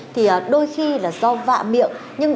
thì đôi khi là do vạ miệng